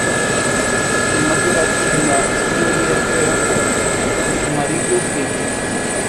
Los Maserati de la escudería eran amarillos y azules.